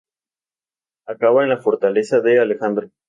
Acaba en la Fortaleza de Alejandro.